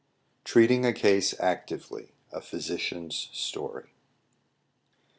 TREATING A CASE ACTIVELY. A PHYSICIAN'S STORY.